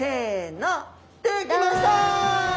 ドンできました！